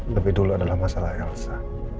lebih dulu adalah masalah elsa